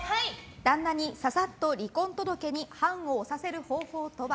旦那にささっと離婚届に判を押させる方法とは？